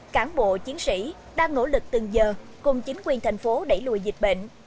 cán bộ chiến sĩ đang nỗ lực từng giờ cùng chính quyền thành phố đẩy lùi dịch bệnh